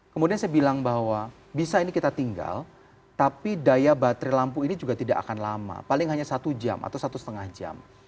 kemudian saya bilang bahwa bisa ini kita tinggal tapi daya baterai lampu ini juga tidak akan lama paling hanya satu jam atau satu setengah jam